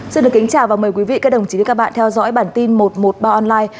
xin được kính chào và mời quý vị các đồng chí đến các bạn theo dõi bản tin một trăm một mươi ba online